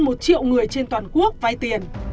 cho hơn một triệu người trên toàn quốc vay tiền